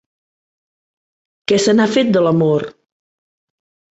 Què se n'ha fet de l'amor?